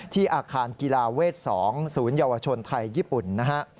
อาคารกีฬาเวท๒ศูนยวชนไทยญี่ปุ่นนะฮะ